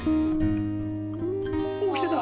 起きてた！